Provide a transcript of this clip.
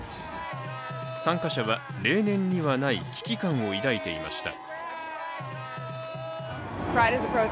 参加者は例年にはない危機感を抱いていました。